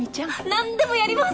何でもやります。